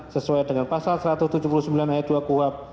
sesuai dengan pasal satu ratus tujuh puluh sembilan ayat dua kuhap